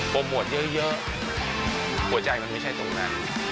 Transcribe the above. โปรโมทเยอะ